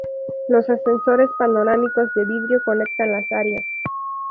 Los ascensores panorámicos de vidrio conectan las áreas.